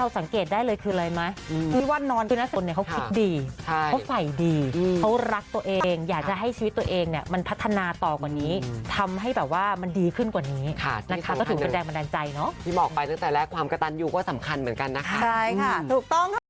ว่ามันดีขึ้นกว่านี้นะคะก็ถือเป็นแรงบันดาลใจเนาะที่หมอกไปตั้งแต่แล้วความกระตันยูก็สำคัญเหมือนกันนะคะใช่ค่ะถูกต้อง